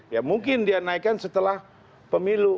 ya mungkin dia naikkan setelah pemilu